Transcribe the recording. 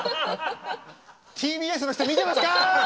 ＴＢＳの人見てますか！